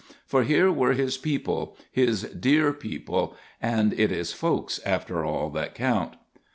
For here were his people, his dear people, and it is folks, after all, that count.